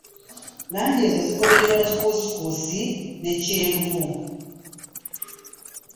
Langi ezo zigobererwa kikuusikuusi ne kyenvu